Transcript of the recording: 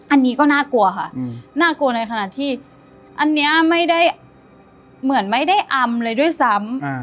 อันนี้ก็น่ากลัวค่ะน่ากลัวในขณะที่อันนี้ไม่ได้อำเลยด้วยซ้ำ